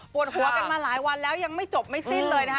หัวกันมาหลายวันแล้วยังไม่จบไม่สิ้นเลยนะคะ